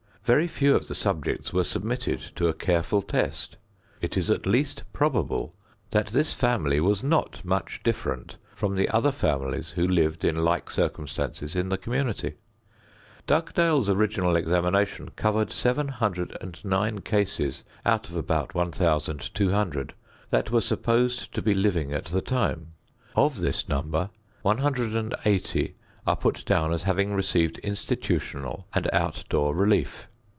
Very few of the subjects were submitted to a careful test. It is at least probable that this family was not much different from the other families who lived in like circumstances in the community. Dugdale's original examination covered 709 cases out of about 1200 that were supposed to be living at the time. Of this number, 180 are put down as having received institutional and outdoor relief.